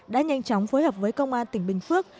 đã nhanh chóng phối hợp với công an tỉnh bình phước